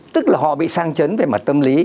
tức là họ bị sang chấn về mặt tâm lý